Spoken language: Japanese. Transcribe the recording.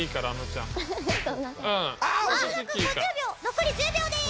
残り１０秒です！